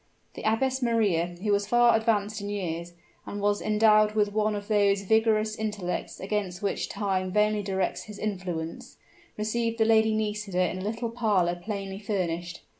The Abbess Maria, who was far advanced in years, but was endowed with one of those vigorous intellects against which Time vainly directs his influence, received the Lady Nisida in a little parlor plainly furnished.